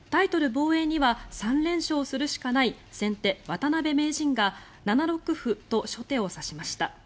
防衛には３連勝するしかない先手、渡辺名人が７六歩と初手を指しました。